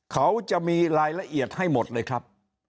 เขาจะมีรายละเอียดให้หมดเลยครับ